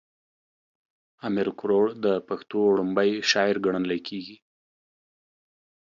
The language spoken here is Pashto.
امير کروړ د پښتو ړومبی شاعر ګڼلی کيږي